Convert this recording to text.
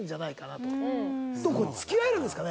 付き合えるんですかね？